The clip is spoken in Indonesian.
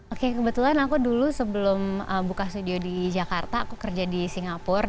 oke kebetulan aku dulu sebelum buka studio di jakarta aku kerja di singapura